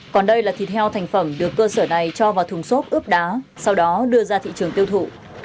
còn đây là thịt heo thành phẩm được cơ sở này cho vào thùng xốp ướp đá sau đó đưa ra thị trường tiêu thụ